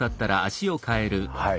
はい。